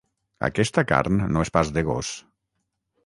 Aquesta carn no és pas de gos.